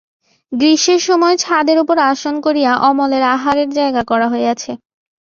গ্রীষ্মের সময় ছাদের উপর আসন করিয়া অমলের আহারের জায়গা করা হইয়াছে।